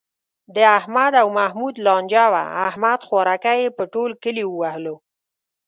د احمد او محمود لانجه وه، احمد خوارکی یې په ټول کلي و وهلو.